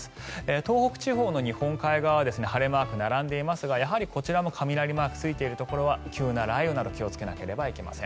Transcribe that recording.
東北地方の日本海側は晴れマークが並んでいますがやはりこちらも雷マークがついているところは急な雷雨などに気をつけなければなりません。